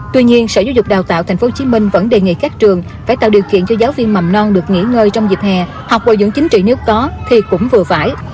tuy nhiên sở giáo dục đào tạo tp hcm vẫn đề nghị các trường phải tạo điều kiện cho giáo viên mầm non được nghỉ ngơi trong dịp hè học bồi dưỡng chính trị nếu có thì cũng vừa phải